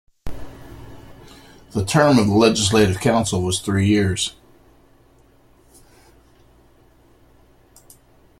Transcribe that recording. The term of the legislative council was three years.